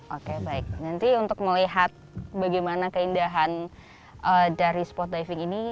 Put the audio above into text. oke baik nanti untuk melihat bagaimana keindahan dari spot diving ini